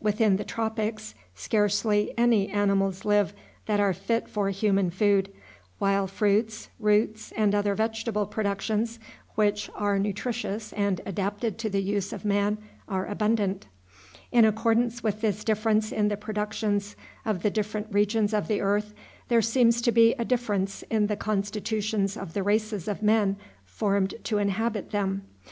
Within the tropics scarcely any animals live that are fit for human food; while fruits, roots, and other vegetable productions which are nutritious and adapted to the use of man are abundant. In accordance with this difference in the productions of the different regions of the earth, there seems to be a difference in the constitutions of the races of men formed to inhabit them.